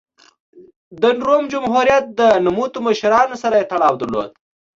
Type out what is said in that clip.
د روم جمهوریت د نوموتو مشرانو سره یې تړاو درلود